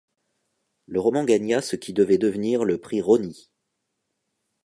Le roman gagna ce qui devait devenir le Prix Rosny.